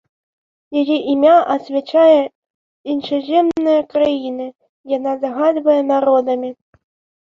Яе імя асвячае іншаземныя краіны, яна загадвае народамі.